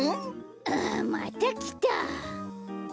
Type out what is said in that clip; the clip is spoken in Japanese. ああっまたきた！